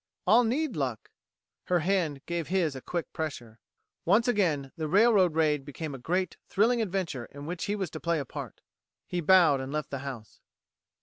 "I'll need luck." Her hand gave his a quick pressure. Once again the railroad raid became a great, thrilling adventure in which he was to play a part. "He bowed and left the house.